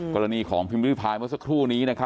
กรณีของพิมพิริพายเมื่อสักครู่นี้นะครับ